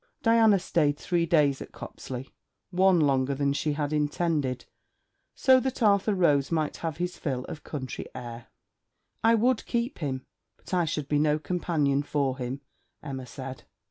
Diana stayed three days at Copsley, one longer than she had intended, so that Arthur Rhodes might have his fill of country air. 'I would keep him, but I should be no companion for him,' Emma said.